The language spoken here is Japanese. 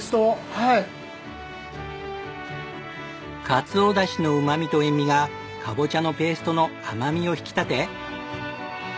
かつおだしのうまみと塩味がカボチャのペーストの甘みを引き立て。